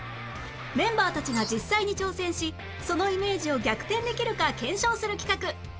メンバーたちが実際に挑戦しそのイメージを逆転できるか検証する企画イメージ逆転男子